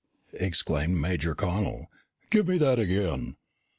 exclaimed Major Connel. "Give me that again."